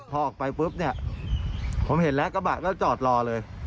พอออกไปปุ๊บเนี่ยผมเห็นแล้วกระบะก็จอดรอเลย